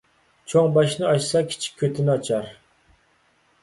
چوڭ باشنى ئاچسا، كىچىك كۆتنى ئاچار